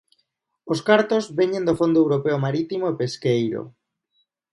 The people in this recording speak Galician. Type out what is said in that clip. Os cartos veñen do Fondo Europeo Marítimo e Pesqueiro.